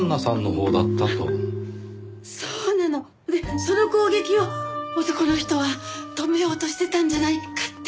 そうなの！でその攻撃を男の人は止めようとしてたんじゃないかって。